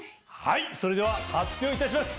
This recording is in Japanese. それでは発表いたします！